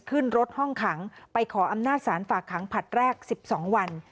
ขึ้นรถห้องขังไปขออำนาจศาลฝากขังผลัดแรก๑๒วัน